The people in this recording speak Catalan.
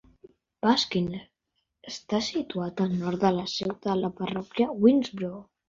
Baskin està situat al nord de la seu de la parròquia de Winnsboro.